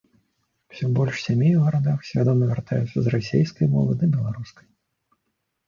Усё больш сямей у гарадах свядома вяртаюцца з расейскай мовы да беларускай.